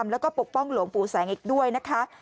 เซฟหลวงปู่แสงนะคะ